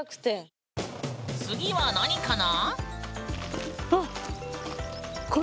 次は何かな？